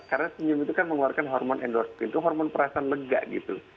karena senyum itu kan mengeluarkan hormon endorfin itu hormon perasaan lega gitu